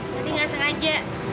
nanti gak sengaja